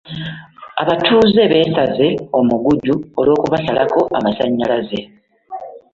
Abatuuze beesaze omuguju olw'okubasalako amasannyalaze.